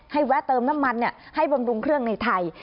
แวะเติมน้ำมันให้บำรุงเครื่องในไทย